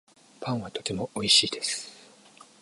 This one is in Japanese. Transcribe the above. パンはとてもおいしいです